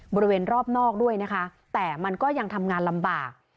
บริเวณรอบนอกด้วยนะคะแต่มันก็ยังทำงานลำบาก